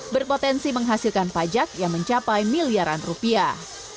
berpotensi menghasilkan pajak yang mencapai miliaran rupiah